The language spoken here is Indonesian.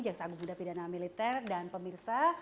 jaksa agung muda pidana militer dan pemirsa